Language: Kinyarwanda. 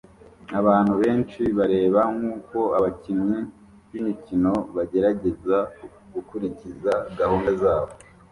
abantu benshi bareba nkuko abakinyi b'imikino bagerageza gukurikiza gahunda zabo